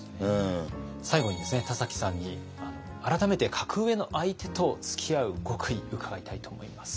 最後にですね田崎さんに改めて格上の相手とつきあう極意伺いたいと思います。